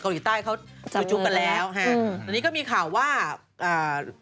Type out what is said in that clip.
เกาหลีใต้เขาประชุมกันแล้วฮะอืมอันนี้ก็มีข่าวว่าอ่า